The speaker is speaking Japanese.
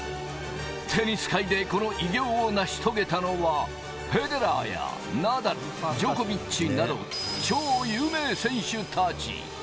テニス界でこの偉業を成し遂げたのは、フェデラーやナダル、ジョコビッチなど超有名選手たち。